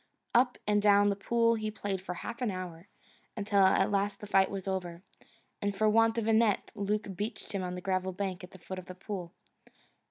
Up and down the pool he played for half an hour, until at last the fight was over, and for want of a net Luke beached him on the gravel bank at the foot of the pool.